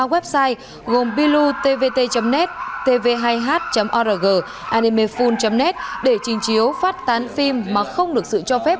website gồm bilu tvt net tv hai h org animehul net để trình chiếu phát tán phim mà không được sự cho phép